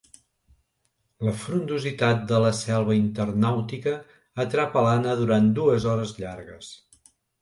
La frondositat de la selva internàutica atrapa l'Anna durant dues hores llargues.